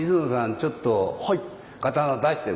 ちょっと刀出してごらん。